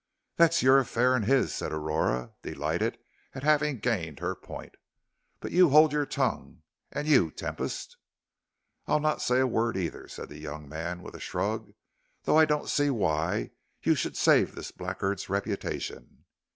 "That's your affair and his," said Aurora, delighted at having gained her point; "but you hold your tongue, and you, Tempest?" "I'll not say a word either," said the young man, with a shrug, "though I don't see why you should save this blackguard's reputation."